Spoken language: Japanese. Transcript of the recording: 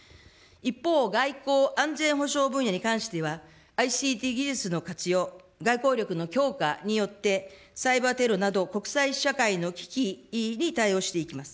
一方、外交・安全保障分野に関しては、ＩＣＴ技術の活用、外交力の強化によって、サイバーテロなど、国際社会の危機に対応していきます。